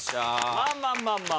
まあまあまあまあ。